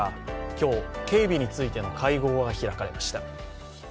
今日、警備についての会合が開かれました。